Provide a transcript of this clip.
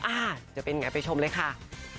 อ่าจะเป็นยังไงไปชมเลยค่ะ